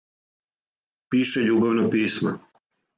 Пише љубавна писма.